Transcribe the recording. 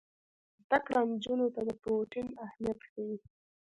زده کړه نجونو ته د پروټین اهمیت ښيي.